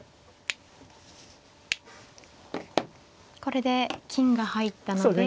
これで金が入ったので。